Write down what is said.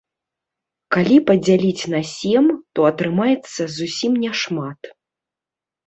Калі падзяліць на сем, то атрымаецца зусім няшмат.